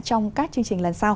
trong các chương trình lần sau